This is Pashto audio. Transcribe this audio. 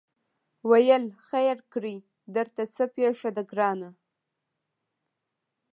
ویل خیر کړې درته څه پېښه ده ګرانه